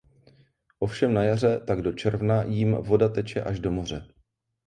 Ovšem na jaře tak do června jím voda teče až do moře.